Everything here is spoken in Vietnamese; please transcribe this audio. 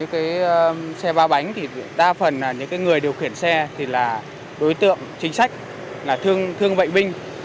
các xe ba bánh thì đa phần là những cái người điều khiển xe thì là đối tượng chính sách là thương vệnh binh